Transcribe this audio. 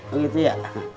oh gitu ya